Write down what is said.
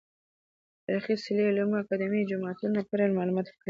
تاريخي څلي، علومو اکادميو، جوماتونه په اړه معلومات ورکړي دي .